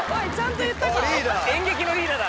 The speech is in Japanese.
演劇のリーダーだ